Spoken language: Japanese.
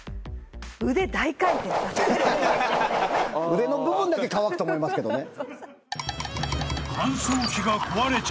腕の部分だけ乾くと思いますけどね。